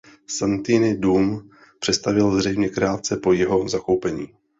Santini dům přestavěl zřejmě krátce po jeho zakoupení.